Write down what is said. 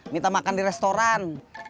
minta makan di restoran